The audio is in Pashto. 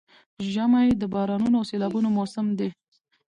ژمی د بارانونو او سيلابونو موسم دی؛